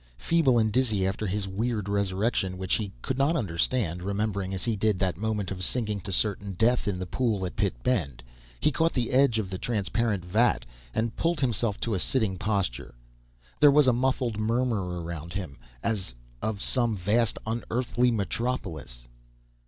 Feeble and dizzy after his weird resurrection, which he could not understand, remembering as he did that moment of sinking to certain death in the pool at Pit Bend, he caught the edge of the transparent vat, and pulled himself to a sitting posture. There was a muffled murmur around him, as of some vast, un Earthly metropolis.